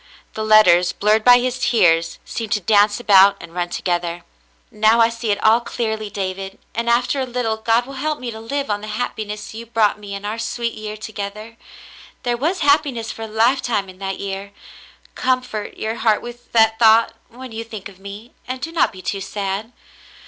The letters, blurred by his tears, seemed to dance about and run together. "Now I see it all clearly, David, and, after a little, God will help me to live on the happiness you brought me in our sweet year together. There was happiness for a lifetime in that year. Comfort your heart with that thought when you think of me, and do not be too sad.